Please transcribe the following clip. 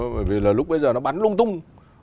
bởi vì là lúc bây giờ nó bắn lung tung